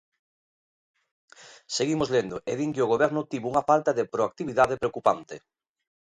Seguimos lendo, e din que o Goberno tivo unha falta de proactividade preocupante.